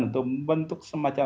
untuk membentuk semacam timur